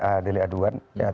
kalau tidak aduan itu bagaimana